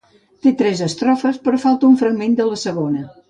Té tres estrofes però falta un fragment de la segona.